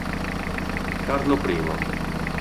Carlo I